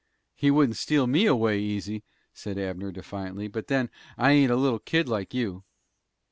"He wouldn't steal me away easy!" said Abner, defiantly; "but, then, I ain't a little kid like you."